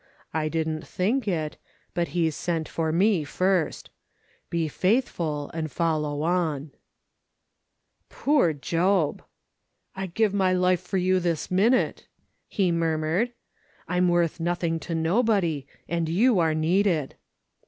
I didn't think it, but He's sent for me first. Be faith ful, and follow on." 310 MRS. SOLOMON SMITH LOOKING ON. Poor Job ! "I'd give my life for you this minute,' he mur mured. "I'm worth nothing to nobody, and you are needed."